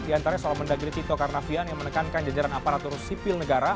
di antaranya soal mendagri tito karnavian yang menekankan jajaran aparatur sipil negara